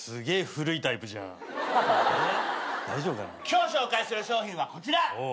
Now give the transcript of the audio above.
今日紹介する商品はこちら！